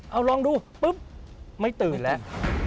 เอาลองดูปุ๊บไม่ตื่นแล้ว